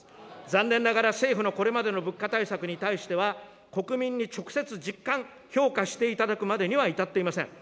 残念ながら、政府のこれまでの物価対策に対しては、国民に直接実感、評価していただくまでには至っていません。